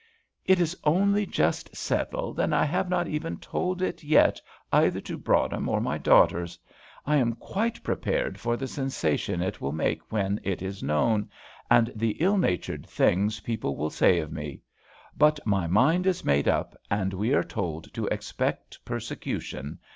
"It is only just settled, and I have not even told it yet either to Broadhem or my daughters. I am quite prepared for the sensation it will make when it is known, and the ill natured things people will say of me; but my mind is made up, and we are told to expect persecution.